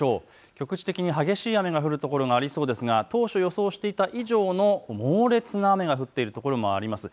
局地的に激しい雨が降る所がありそうですが当初、予想していた以上の猛烈な雨が降っているところもあります。